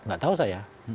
nggak tahu saya